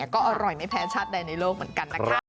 ก็อร่อยไม่แพ้ชาติใดในโลกเหมือนกันนะคะ